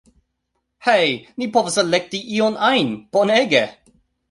Hej' ni povas elekti ion ajn, bonege